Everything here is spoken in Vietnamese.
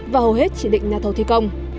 và hầu hết chỉ định nhà thầu thi công